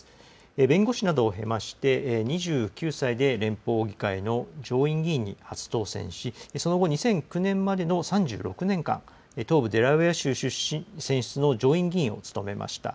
弁護士などを経まして、２９歳で連邦議会の上院議員に初当選し、その後、２００９年までの３６年間、東部デラウェア州選出の上院議員を務めました。